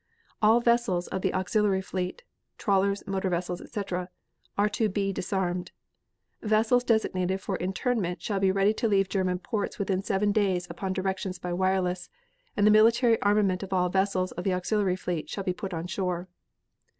All vessels of the auxiliary fleet (trawlers, motor vessels, etc.) are to [be] disarmed. Vessels designated for internment, shall be ready to leave German ports within seven days upon directions by wireless, and the military armament of all vessels of the auxiliary fleet shall be put on shore.